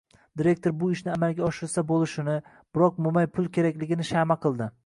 Direktor bu ishni amalga oshirsa boʻlishini, biroq moʻmay pul kerakligini shaʼma qiladi...